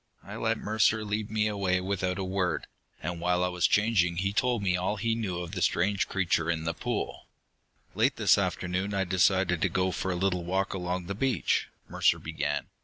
I let Mercer lead me away without a word. And while I was changing, he told me all he knew of the strange creature in the pool. "Late this afternoon I decided to go for a little walk along the beach," Mercer began.